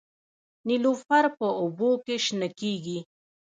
نیلوفر په اوبو کې شنه کیږي